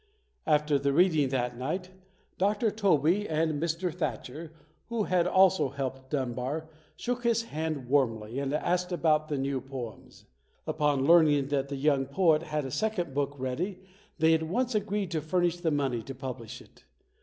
After the reading that night, Dr. Tobey and a Mr. Thatcher, who had also helped Dunbar, shook his hand warmly and asked about the new poems. PAUL LAURENCE DUNBAR [51 Upon learning that the young poet had a second boojc ready they at once agreed to furnish the money to publish it.